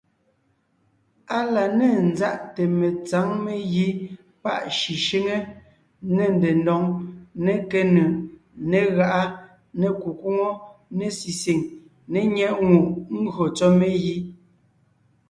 Á la ne ńzáʼte metsǎŋ megǐ páʼ shʉshʉ́ŋe, ne ndedóŋ, ne kénʉʼ, ne gáʼa, ne kukwóŋo, ne sisìŋ ne nyɛ́ʼŋùʼ ngÿo tsɔ́ megǐ.